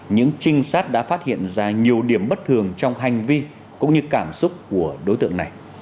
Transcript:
những trinh sát đã phát hiện ra nhiều điểm bất thường trong hành vi cũng như cảm xúc của đối tượng này